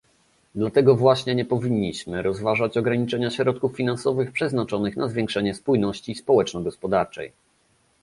Dlatego właśnie nie powinniśmy rozważać ograniczenia środków finansowych przeznaczanych na zwiększanie spójności społeczno-gospodarczej